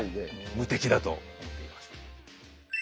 無敵だと思っています。